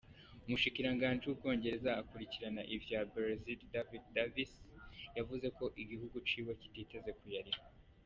Umushikiranganji w'Ubwongereza akurikirana ivya Brexit, David Davis, yavuze ko igihugu ciwe kititeze kuyariha.